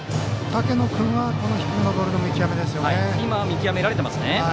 竹野君は低めのボールの見極めですね。